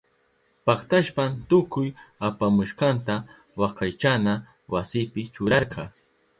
Paktashpan tukuy apamushkanta wakaychana wasipi churarka.